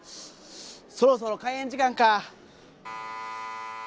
そろそろ開演時間か。